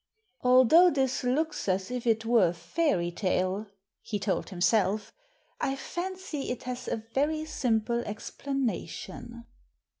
"Although this looks as if it were a fairy tale," he told himself, "I fancy it has a very simple ex planation."